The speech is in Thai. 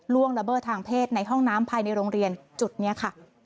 ละเมิดทางเพศในห้องน้ำภายในโรงเรียนจุดนี้ค่ะ